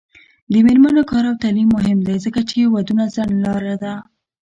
د میرمنو کار او تعلیم مهم دی ځکه چې ودونو ځنډ لاره ده.